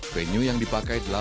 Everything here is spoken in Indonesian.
venue yang dipakai delapan jenis